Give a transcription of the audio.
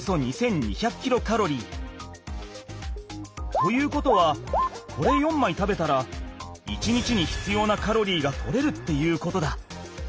ということはこれ４枚食べたら１日に必要なカロリーが取れるっていうことだ。